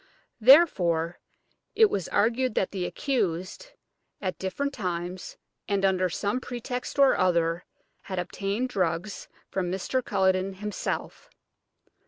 Therefore it was argued that the accused, at different times and under some pretext or other, had obtained drugs from Mr. Culledon himself.